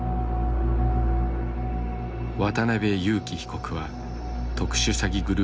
渡邉優樹被告は特殊詐欺グループのトップ。